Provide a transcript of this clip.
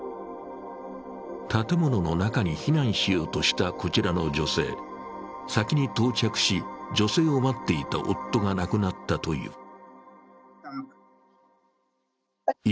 建物の中に避難しようとしたこちらの女性、先に到着し、女性を待っていた夫が亡くなったという。